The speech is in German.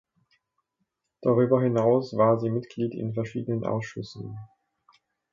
Darüber hinaus war sie Mitglied in verschiedenen Ausschüssen.